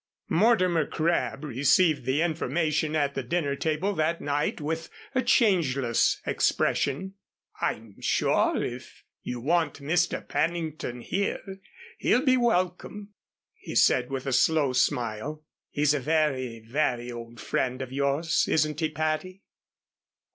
Mortimer Crabb received the information at the dinner table that night with a changeless expression. "I'm sure if you want Mr. Pennington here, he'll be welcome," he said with a slow smile. "He's a very, very old friend of yours, isn't he, Patty?"